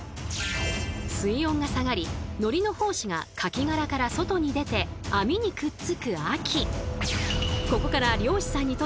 水温が下がり海苔の胞子が牡蠣殻から外に出て網にくっつく秋。